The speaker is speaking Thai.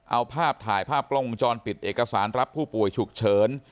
เอาภาพถ่ายภาพกล้องวงจรปิดเอกสารรับผู้ป่วยฉุกเฉิน